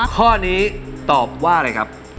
ข้อนี้ตอบว่าอะไรครับ